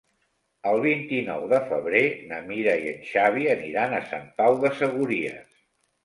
El vint-i-nou de febrer na Mira i en Xavi aniran a Sant Pau de Segúries.